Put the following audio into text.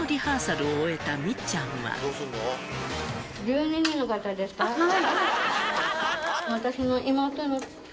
はい。